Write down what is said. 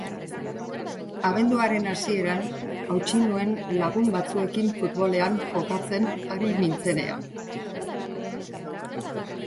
Abenduaren hasieran hautsi nuen lagun batzuekin futbolean jokatzen ari nintzenean.